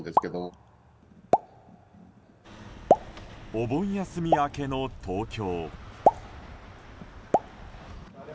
お盆休み明けの東京。